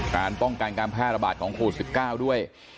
การป้องกันการแพร่ระบาดของโควิด๑๙ด้วย